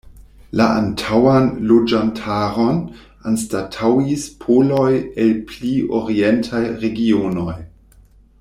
La antaŭan loĝantaron anstataŭis poloj el pli orientaj regionoj.